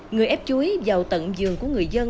người ép chuối vào tận giường của người dân